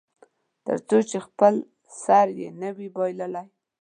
تر څو چې خپل سر یې نه وي بایللی.